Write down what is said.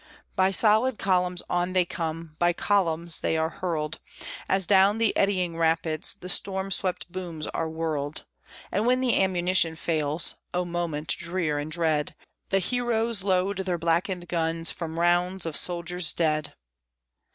By solid columns, on they come; by columns they are hurled, As down the eddying rapids the storm swept booms are whirled; And when the ammunition fails O moment drear and dread The heroes load their blackened guns from rounds of soldiers dead.